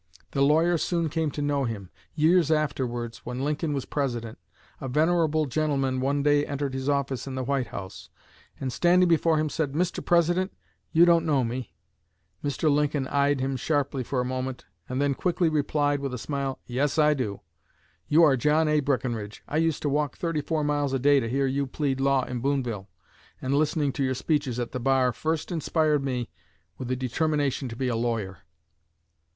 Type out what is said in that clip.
The lawyer soon came to know him. Years afterwards, when Lincoln was President, a venerable gentleman one day entered his office in the White House, and standing before him said: 'Mr. President, you don't know me.' Mr. Lincoln eyed him sharply for a moment, and then quickly replied with a smile, 'Yes I do. You are John A. Breckenridge. I used to walk thirty four miles a day to hear you plead law in Booneville, and listening to your speeches at the bar first inspired me with the determination to be a lawyer.'"